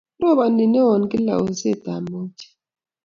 robani newon kila oset ab mauche